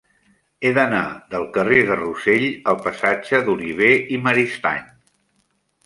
He d'anar del carrer de Rossell al passatge d'Olivé i Maristany.